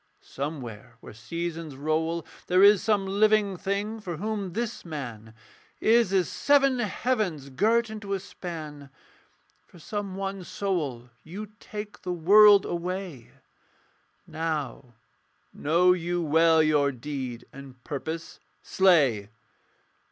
somewhere where seasons roll There is some living thing for whom this man Is as seven heavens girt into a span, For some one soul you take the world away Now know you well your deed and purpose. Slay!'